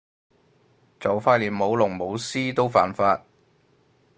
就快連舞龍舞獅都犯法